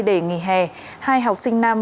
để nghỉ hè hai học sinh nam